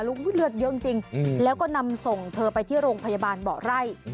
เลือดเยอะจริงแล้วก็นำส่งเธอไปที่โรงพยาบาลเบาะไร่